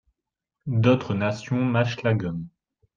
D’autres nations mâchent la gomme.